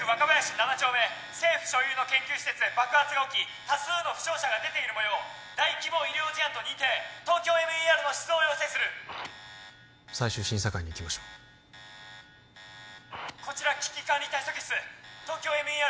７丁目政府所有の研究施設で爆発が起き多数の負傷者が出ているもよう大規模医療事案と認定ＴＯＫＹＯＭＥＲの出動を要請する最終審査会に行きましょうこちら危機管理対策室ＴＯＫＹＯＭＥＲ